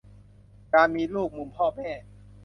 - การมีลูก มุมพ่อแม่